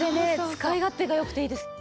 使い勝手が良くていいです。